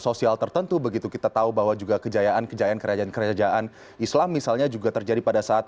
sosial tertentu begitu kita tahu bahwa juga kejayaan kejayaan kerajaan kerajaan islam misalnya juga terjadi pada saat